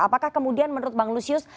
apakah kemudian menurut bang lusius